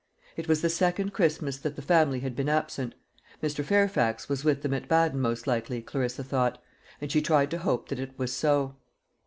It was the second Christmas that the family had been absent. Mr. Fairfax was with them at Baden most likely, Clarissa thought; and she tried to hope that it was so.